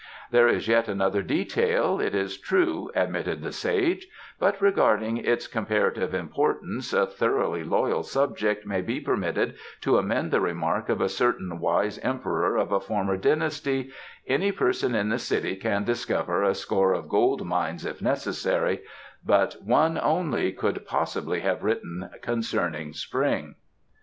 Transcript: "There is yet another detail, it is true," admitted the sage, "but regarding its comparative importance a thoroughly loyal subject may be permitted to amend the remark of a certain wise Emperor of a former dynasty: 'Any person in the City can discover a score of gold mines if necessary, but One only could possibly have written "Concerning Spring."